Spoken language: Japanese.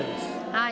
はい。